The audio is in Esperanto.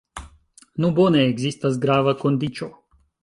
Nu, bone, ekzistas grava kondiĉo.